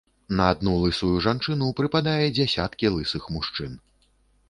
На адну лысую жанчыну прыпадае дзясяткі лысых мужчын.